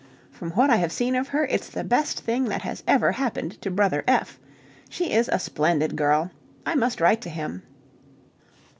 From what I have seen of her, it's the best thing that has ever happened to Brother F. She is a splendid girl. I must write to him...